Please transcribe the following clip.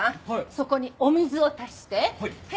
そこにお水を足して。